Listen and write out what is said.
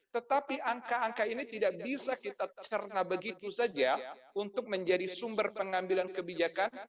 tetapi angka angka ini tidak bisa kita cerna begitu saja untuk menjadi sumber pengambilan kebijakan